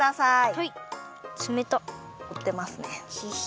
はい。